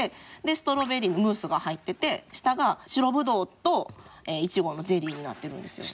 ストロベリームースが入ってて下が白ぶどうといちごのゼリーになってるんですよ。